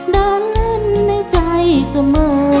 เดินเล่นในใจเสมอ